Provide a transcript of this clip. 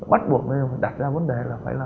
bắt buộc đặt ra vấn đề là phải là